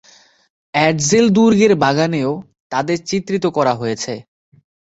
Edzell দুর্গের বাগানেও তাদের চিত্রিত করা হয়েছে।